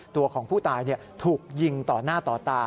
ตัวของผู้ตายถูกยิงต่อหน้าต่อตา